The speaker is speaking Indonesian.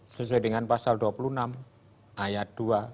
sesuai dengan pasal dua puluh enam ayat dua